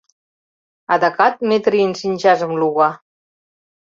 Адакат Метрийын шинчажым луга?